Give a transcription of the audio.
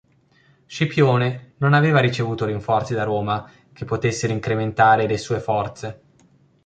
Scipione non aveva ricevuto rinforzi da Roma che potessero incrementare le sue forze.